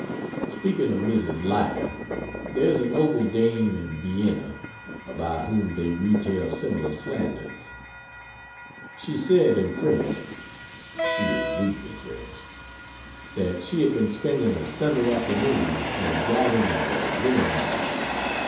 Speaking of Mrs. Leiter, there is a noble dame in Vienna, about whom they retail similar slanders. She said in French she is weak in French that she had been spending a Sunday afternoon in a gathering of the "demimonde."